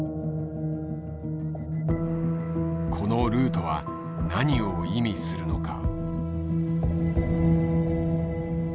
このルートは何を意味するのか？